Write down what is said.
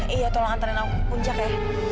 iya tolong antarin aku ke puncak ya